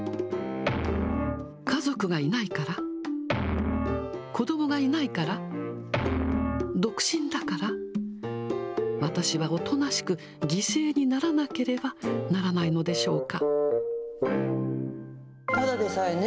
家族がいないから、子どもがいないから、独身だから、私はおとなしく犠牲にならなければならないのでしょうか。